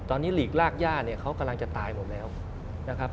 ตอนนี้หลีกลากย่าเนี่ยเขากำลังจะตายหมดแล้วนะครับ